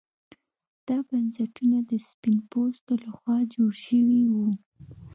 دا بنسټونه د سپین پوستو لخوا جوړ شوي وو.